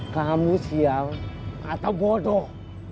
kamu sial atau bodoh